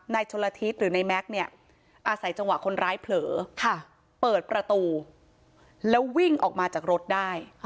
ชนละทิศหรือในแม็กซ์เนี่ยอาศัยจังหวะคนร้ายเผลอเปิดประตูแล้ววิ่งออกมาจากรถได้